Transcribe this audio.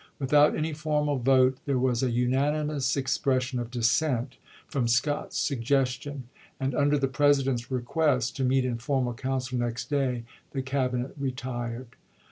Without any formal vote, there was a unanimous expres sion of dissent from Scott's suggestion, and under the President's request to meet in formal council next day, the Cabinet retired.